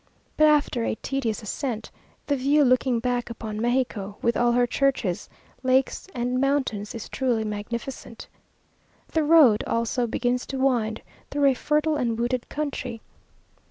But after a tedious ascent, the view looking back upon Mexico, with all her churches, lakes, and mountains is truly magnificent. The road also begins to wind through a fertile and wooded country.